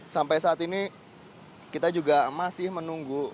sampai saat ini kita juga masih menunggu